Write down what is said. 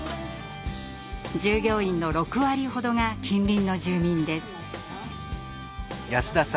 従業員の６割ほどが近隣の住民です。